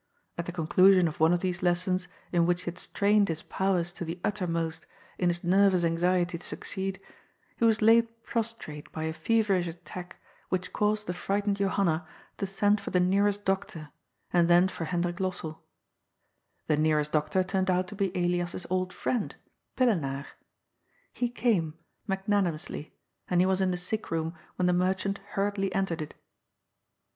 At the conclusion of one of these lessons, in which he had strained his powers to the uttermost in his nervous anxiety to suc ceed, he was laid prostrate by a feverish attack which caused the frightened Johanna to send for the nearest doctor, and then for Hendrik Lossell. The nearest doctor turned out to be Elias's old friend, Pillenaar. He came, magnani mously, and he was in the sick room when the merchant hurriedly entered it.